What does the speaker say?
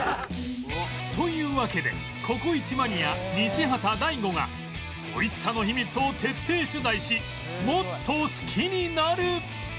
というわけでココイチマニア西畑大吾がおいしさの秘密を徹底取材しもっと好きになる！